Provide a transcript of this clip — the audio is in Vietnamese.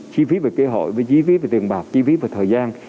chi phí về kế hội chi phí về tiền bạc chi phí về thời gian